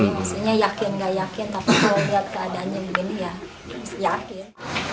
maksudnya yakin gak yakin tapi kalau lihat keadaannya begini ya yakin